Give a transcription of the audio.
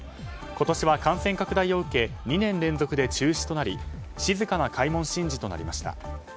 今年は感染拡大を受け２年連続で中止となり静かな開門神事となりました。